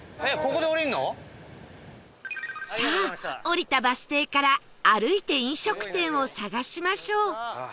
さあ降りたバス停から歩いて飲食店を探しましょう